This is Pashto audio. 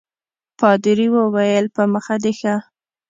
پادري وویل په مخه دي ښه.